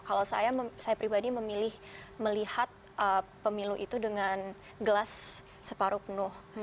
kalau saya pribadi memilih melihat pemilu itu dengan gelas separuh penuh